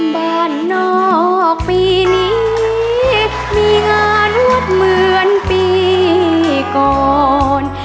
บ้านนอกปีนี้มีงานรวบเหมือนปีก่อน